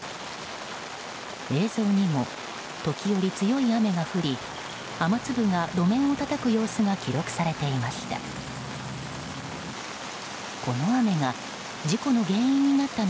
映像にも、時折強い雨が降り雨粒が路面をたたく様子が記録されていました。